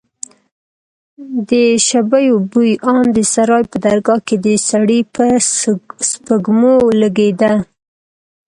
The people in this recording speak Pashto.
د شبيو بوى ان د سراى په درگاه کښې د سړي په سپږمو لگېده.